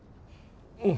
うん。